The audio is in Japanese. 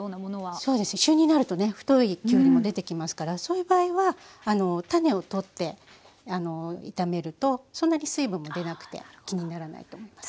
そうですね旬になるとね太いきゅうりも出てきますからそういう場合は種を取って炒めるとそんなに水分も出なくて気にならないと思います。